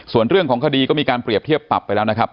ส่วนเรื่องของคดีก็มีการเปรียบเทียบปรับไปแล้วนะครับ